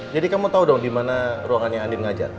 jadi kamu tau dong dimana ruangannya andin ngajar